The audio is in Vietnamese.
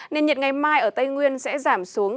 nền nhiệt ngày mai ở tây nguyên sẽ giảm xuống